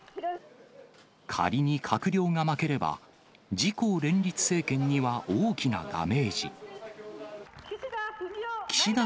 仮に閣僚が負ければ、自公連立政権には大きなダメージ。